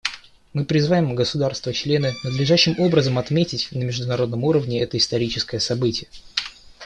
Мы призываем государства-члены надлежащим образом отметить на международном уровне это историческое событие.